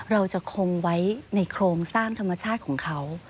เราจะคงไว้ในโครงสร้างธรรมชาติของเขา